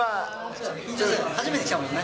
初めて来たもんね。